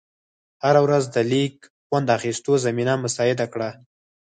هره ورځ د لیږ خوند اخېستو زمینه مساعده کړه.